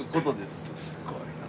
すごいな。